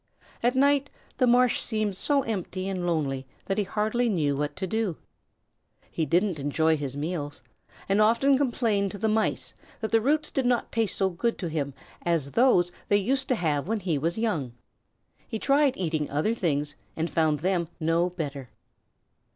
At night the marsh seemed so empty and lonely that he hardly knew what to do. He didn't enjoy his meals, and often complained to the Mice that the roots did not taste so good to him as those they used to have when he was young. He tried eating other things and found them no better.